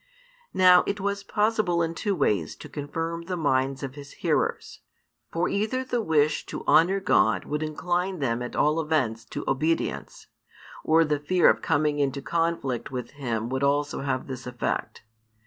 Now it was possible in two ways to confirm the minds of His hearers: for either the wish to honour God would incline them at all events to obedience, or the fear of coming into conflict with Him would also have this effect.